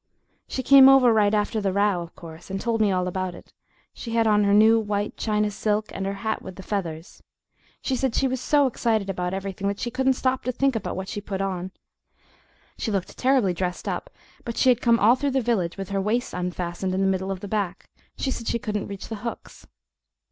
She came over right after the row, of course, and told me all about it she had on her new white China silk and her hat with the feathers. She said she was so excited about everything that she couldn't stop to think about what she put on; she looked terribly dressed up, but she had come all through the village with her waist unfastened in the middle of the back she said she couldn't reach the hooks.